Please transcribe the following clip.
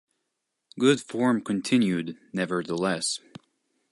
Good form continued, nevertheless.